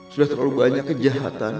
sudah terlalu banyak kejahatan